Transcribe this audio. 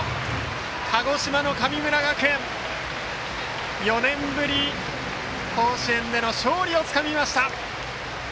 鹿児島の神村学園、４年ぶり甲子園での勝利をつかみました！